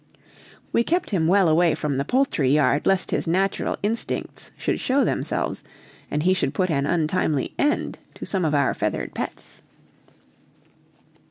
We kept him well away from the poultry yard, lest his natural instincts should show themselves and he should put an untimely end to some of our feathered pets.